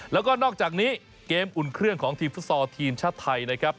แล้วก็นอกจากนี้เกมอุ่นเครื่องของทีมฟุตซอลทีมชาติไทยนะครับ